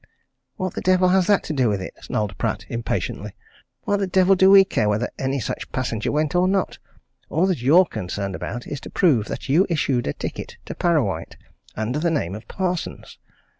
"What the devil has that to do with it?" snarled Pratt impatiently. "What the devil do we care whether any such passenger went or not? All that you're concerned about is to prove that you issued a ticket to Parrawhite, under the name of Parsons.